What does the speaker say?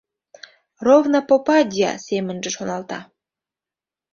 Ровно попадья!» — семынже шоналта.